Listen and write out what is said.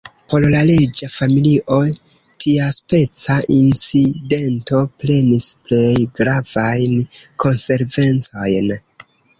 Por la reĝa familio, tiaspeca incidento prenis plej gravajn konsekvencojn.